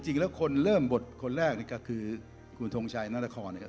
จริงแล้วคนเริ่มบทคนแรกนี่ก็คือคุณทงชัยนานครนะครับ